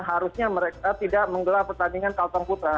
harusnya mereka tidak menggelar pertandingan kalteng putra